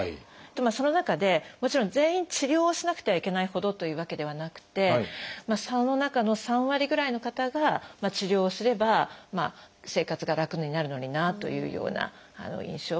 その中でもちろん全員治療をしなくてはいけないほどというわけではなくてその中の３割ぐらいの方が治療をすれば生活が楽になるのになというような印象はあります。